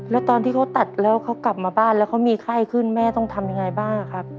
แล้วตอนที่เขาตัดแล้วเขากลับมาบ้านแล้วเขามีไข้ขึ้นแม่ต้องทำยังไงบ้างครับ